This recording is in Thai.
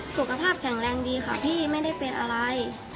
สุขภาพแข็งแรงดีค่ะพี่ไม่ได้เป็นอะไร